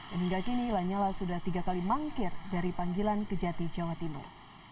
hingga kini lanyala sudah tiga kali mangkir dari panggilan kejati jawa timur